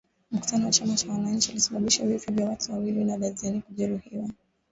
Mkutano wa chama cha wananchi ulisababisha vifo vya watu wawili na dazeni kujeruhiwa